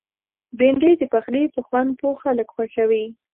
بېنډۍ د پخلي په خوند پوه خلک خوښوي